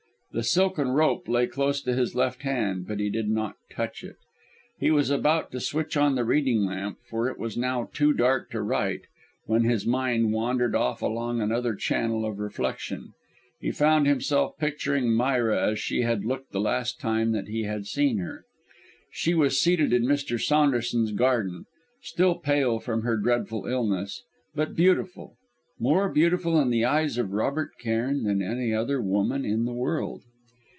The silken rope lay close to his left hand, but he did not touch it. He was about to switch on the reading lamp, for it was now too dark to write, when his mind wandered off along another channel of reflection. He found himself picturing Myra as she had looked the last time that he had seen her. She was seated in Mr. Saunderson's garden, still pale from her dreadful illness, but beautiful more beautiful in the eyes of Robert Cairn than any other woman in the world.